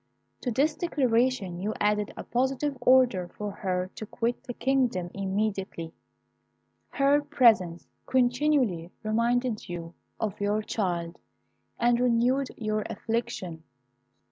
To this declaration you added a positive order for her to quit the kingdom immediately. Her presence continually reminded you of your child, and renewed your affliction.